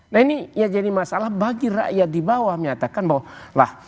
nah ini ya jadi masalah bagi rakyat di bawah menyatakan bahwa lah